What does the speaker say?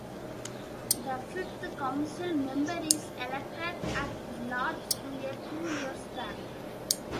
The fifth council member is elected at-large to a two-year term.